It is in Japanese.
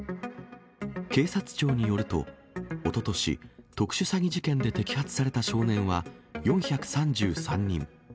警察庁によると、おととし、特殊詐欺事件で摘発された少年は４３３人。